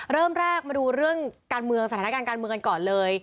เริ่มแรกมาดูสถานการณ์การเมืองก่อนเลย